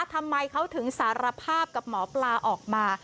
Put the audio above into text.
ทำไมเขาถึงสารภาพกับหมอปลาออกมา